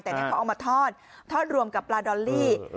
แต่นี่เขาเอามาทอดทอดรวมกับปลาดอลลี่